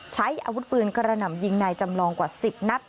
ใช้อาวุธปืนกระหน่ำยิงนายจำลองกว่า๑๐นัด